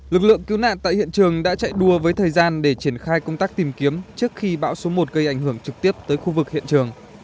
lực lượng cứu nạn tại hiện trường đã chạy đua với thời gian để triển khai công tác tìm kiếm trước khi bão số một gây ảnh hưởng trực tiếp tới khu vực hiện trường